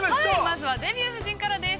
◆まずは「デビュー夫人」からです。